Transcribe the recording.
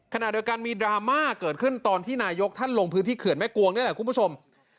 ขณะเดียวกันมีดราม่าเกิดขึ้นตอนที่นายกท่านลงพื้นที่เขื่อนแม่กวงนี่แหละคุณผู้ชม